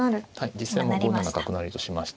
実戦も５七角成としました。